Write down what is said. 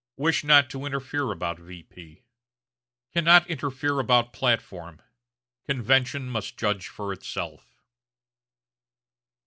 P. Wish not to interfere about V.P. Cannot interfere about platform. Convention must judge for itself."